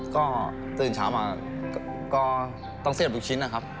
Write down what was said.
ก็ตื่นเช้ามาก็ต้องเสียบลูกชิ้นนะครับ